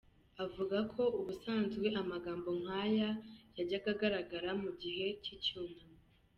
Avuga ko ubusanzwe amagambo nk’aya yajyaga agaragara mu gihe cy’icyunamo.